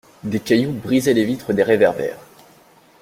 Des cailloux brisaient les vitres des réverbères.